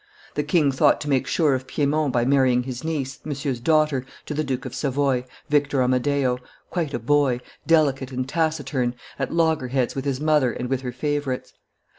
The king thought to make sure of Piedmont by marrying his niece, Monsieur's daughter, to the Duke of Savoy, Victor Amadeo, quite a boy, delicate and taciturn, at loggerheads with his mother and with her favorites.